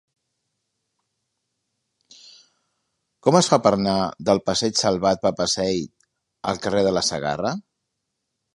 Com es fa per anar del passeig de Salvat Papasseit al carrer de la Segarra?